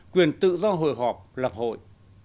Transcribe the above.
quyền tự do hội họp lập hội